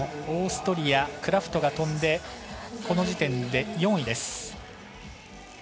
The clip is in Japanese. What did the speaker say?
オーストリアクラフトが飛んでこの時点で４位です。